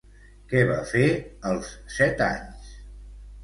Què va fer als set anys?